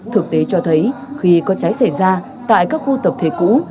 thực tế cho thấy khi có cháy xảy ra tại các khu tập thể cũ